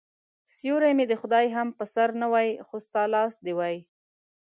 سیوری مې د خدای هم په سر نه وای خو ستا لاس دي وای